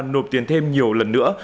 nộp tiền thêm nhiều lần nữa